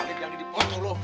ada yang ganti di foto lu